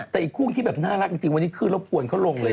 แต่อีกคู่ที่แบบน่ารักจริงวันนี้คือรบกวนเขาลงเลย